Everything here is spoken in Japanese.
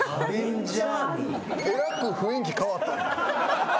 えらく雰囲気変わったね。